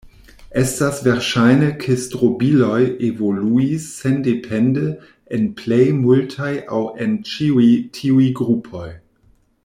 Estas verŝajne ke strobiloj evoluis sendepende en plej multaj aŭ en ĉiuj tiuj grupoj.